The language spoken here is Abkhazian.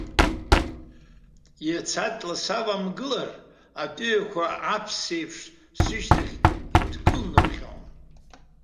Иацы, аҵла саавамгылар, атәыҩақәа аԥса еиԥш сышьҭахь инкылнарҟьон.